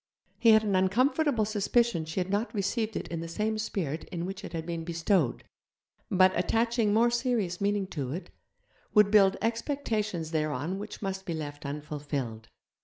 He had an uncomfortable suspicion she had not received it in the same spirit in which it had been bestowed, but, attaching more serious meaning to it, would build expectations thereon which must be left unfulfilled.